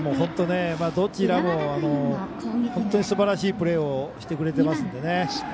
どちらも本当にすばらしいプレーをしてくれていますのでね。